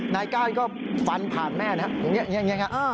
นายก้านก็ฟันผ่านแม่นะฮะอย่างนี้นะฮะ